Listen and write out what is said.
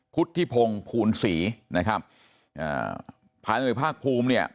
พุทธิพงศ์ภูลศรีนะครับอ่าพันธุภาคภูมิเนี่ย